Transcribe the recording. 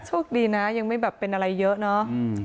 โชคดีนะยังไม่แบบเป็นอะไรเยอะเนาะ